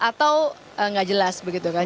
atau nggak jelas begitu kan